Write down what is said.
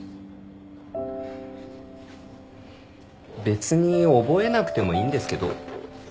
別に覚えなくてもいいんですけど。